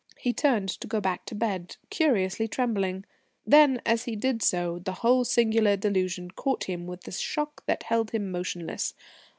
He turned to go back to bed, curiously trembling. Then, as he did so, the whole singular delusion caught him with a shock that held him motionless.